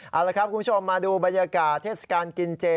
เอาละครับคุณผู้ชมมาดูบรรยากาศเทศกาลกินเจ